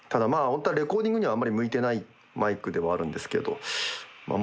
本当はレコーディングにはあんまり向いてないマイクではあるんですけどまあ